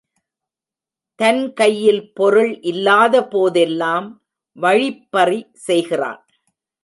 தன்கையில் பொருள் இல்லாத போதெல்லாம் வழிப்பறி செய்கிறான்.